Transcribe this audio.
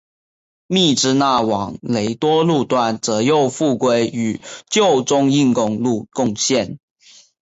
密支那往雷多路段则又复归与旧中印公路共线。